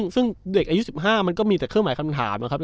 ซึ่งเด็กอายุ๑๕มันก็มีแต่เครื่องหมายคำถามนะครับ